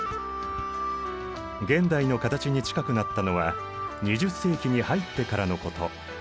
現代の形に近くなったのは２０世紀に入ってからのこと。